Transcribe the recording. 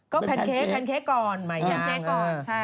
ก็แพนเค้กแพนเค้กก่อนหมายยาง